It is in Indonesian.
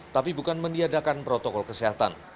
tapi bukan meniadakan protokol kesehatan